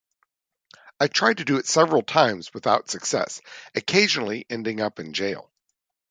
I tried to do it several times without success, occasionally ending up in jail.